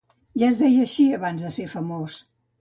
Ja es deia així abans de ser famós.